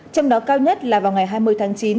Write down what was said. trong đó cao nhất là vào ngày hai mươi tháng chín